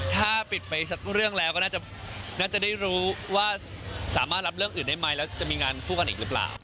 ถ้าปิดไปสักเรื่องแล้วก็น่าจะได้รู้ว่าสามารถรับเรื่องอื่นได้ไหมแล้วจะมีงานคู่กันอีกหรือเปล่า